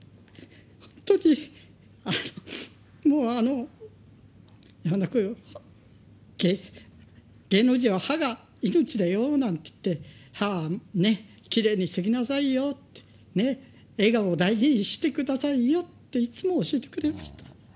本当にもうあの声を、芸能人は歯が命だよなんて言って、歯はね、きれいにしておきなさいよって、笑顔を大事にしてくださいよっていつも教えてくれました。